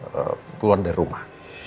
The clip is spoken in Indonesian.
keluar dari rumah